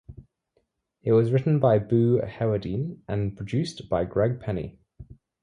It was written by Boo Hewerdine and produced by Greg Penny.